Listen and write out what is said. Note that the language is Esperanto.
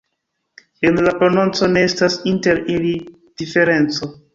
En la prononco ne estas inter ili diferenco.